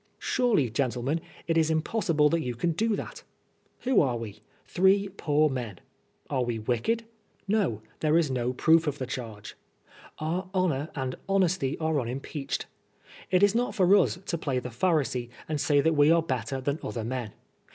Surely gentlemen, it is impossible that you can do that ! Who are we .* Three poor men. Are we wicked ? No, there is no proof of the charge. Our honor and honesty are unimpeached. It is not for us to play the Pharisee and say that we are better than other men.